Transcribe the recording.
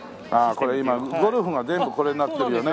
これ今ゴルフが全部これになってるよね。